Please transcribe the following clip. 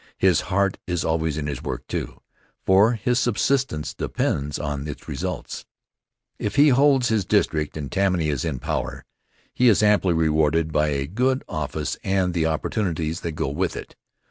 His heart is always in his work, too, for his subsistence depends on its results. If he holds his district and Tammany is in power, he is amply rewarded by a good office and the opportunities that go with it.